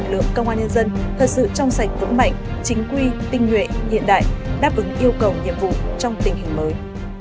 lực lượng công an nhân dân thật sự trong sạch vững mạnh chính quy tinh nguyện hiện đại đáp ứng yêu cầu nhiệm vụ trong tình hình mới